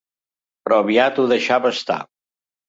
Però aviat ho deixava estar.